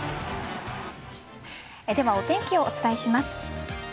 では、お天気をお伝えします。